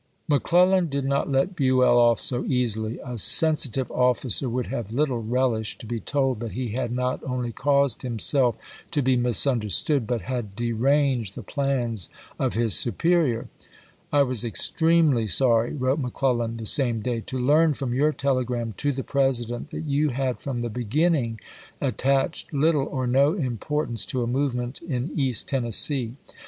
McClellan did not let Buell off so easily. A sensi tive officer would have little relished to be told that he had not only caused himself to be misunder stood, but had deranged the plans of his superior. " I was extremely sorry," wrote McClellan the same day, " to learn from your telegram to the Presi dent that you had from the beginning attached Lincoln to Buell, Jan. 6, 1862. W. R. i2 ABKAHAM LINCOLN Chap. IV. little OF no importance to a movement in East Tennessee.